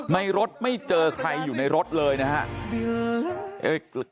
ในรถไม่เจอใครอยู่ในรถเลยนะครับ